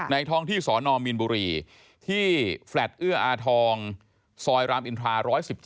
ท้องที่สนมีนบุรีที่แฟลตเอื้ออาทองซอยรามอินทรา๑๑๗